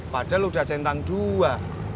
padahal udah centang dua